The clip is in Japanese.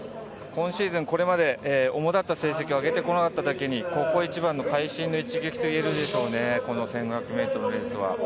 今シーズン、これまでおもだった成績を上げてこなかっただけに、ここ一番の会心の一撃と言えるでしょうね、この１５００ｍのレースは。